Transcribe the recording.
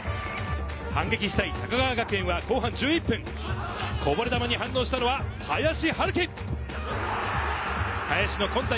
反撃したい高川学園は後半１１分、こぼれ球に反応したのは林晴己。